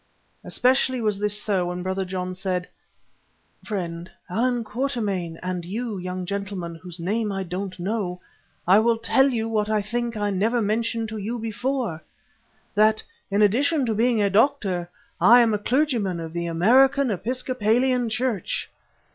Especially was this so when Brother John said: "Friend, Allan Quatermain, and you, young gentleman, whose name I don't know, I will tell you what I think I never mentioned to you before, that, in addition to being a doctor, I am a clergyman of the American Episcopalian Church.